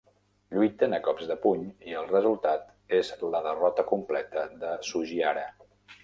Lluiten a cops de puny, i el resultat és la derrota completa de Sugihara.